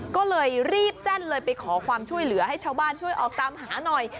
ก็เลยรีบแจ้งเลยไปขอความช่วยเหลือให้ชาวบ้านช่วยออกตามหาหน่อย